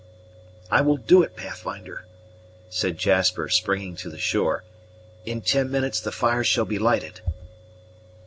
"I will do it, Pathfinder," said Jasper, springing to the shore. "In ten minutes the fire shall be lighted."